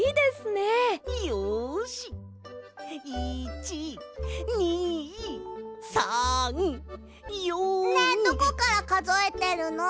ねえどこからかぞえてるの？